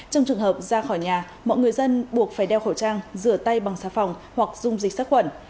trong trường hợp ra khỏi nhà mọi người dân buộc phải đeo khẩu trang rửa tay bằng xa phòng hoặc dùng dịch sắc quẩn